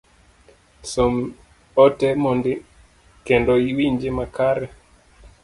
Som ote mondi kendo iwinje makare